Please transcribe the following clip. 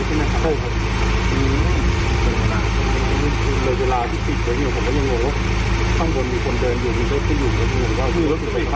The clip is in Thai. ผมปลอดภัยว่ารถหลบไปถ้ายังไงไหมบอกว่าไม่เอาอีก